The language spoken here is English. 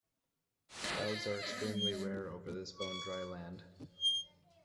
Clouds are extremely rare over this bone-dry land.